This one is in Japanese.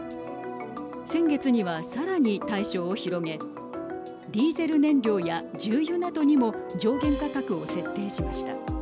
先月にはさらに対象を広げディーゼル燃料や重油などにも上限価格を設定しました。